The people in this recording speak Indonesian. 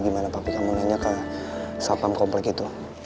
gimana papi kamu nanya ke satpam komplek itu